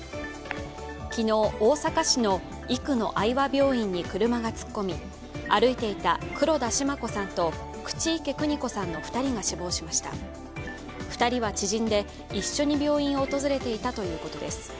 昨日、大阪市の生野愛和病院に車が突っ込み、歩いていた黒田シマ子さんと口池邦子さんの２人が死亡しました２人は知人で、一緒に病院を訪れていたということです。